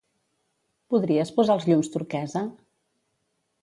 Podries posar els llums turquesa?